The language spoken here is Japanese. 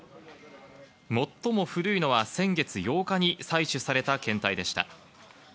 最も古いのは先月８日に採取された検体でした。